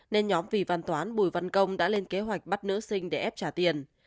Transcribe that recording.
nên nhóm vì văn toán bùi văn công đã lên kế hoạch bắt nữ sinh để ép trả tiền